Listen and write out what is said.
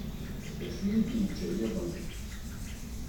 D acu i yi-d-yeǧǧa iḍelli.